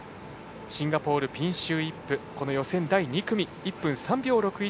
シンガポールのピンシュー・イップはこの予選第２組、１分３秒６１。